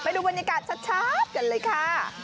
ดูบรรยากาศชัดกันเลยค่ะ